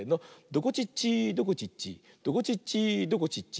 「どこちっちどこちっちどこちっちどこちっち」